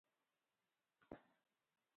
جلګه د افغانستان د اقتصادي منابعو ارزښت زیاتوي.